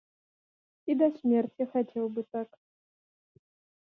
І да смерці хацеў бы так.